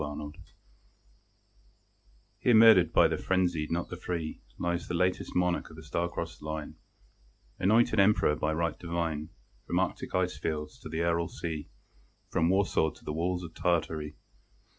EPITAPH Here murdered by the frenzied, not the free, Lies the latest monarch of a star crossed line; Anointed Emperor by right divine, From Arctic icefields to the Aral sea, From Warsaw to the walls of Tartary.